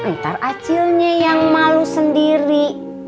ntar acilnya yang malu sendiri